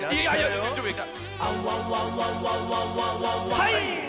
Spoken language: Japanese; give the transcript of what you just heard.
はい！